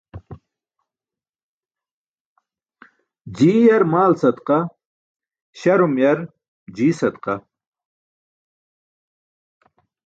Jii yar maal sadaqa, śarum yar jii sadaqa.